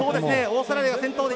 オーストラリアが先頭。